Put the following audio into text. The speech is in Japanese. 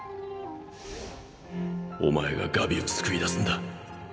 お前がガビを救い出すんだ。